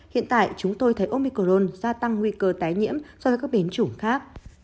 hiện tại chúng tôi thấy omicron gia tăng nguy cơ tái nhiễm so với các biến chủng khác